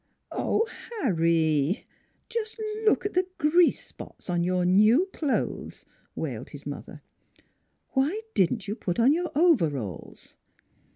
"" Oh, Harry, just look at the grease spots on your new clothes," wailed his mother. " Why didn't you put on your overalls?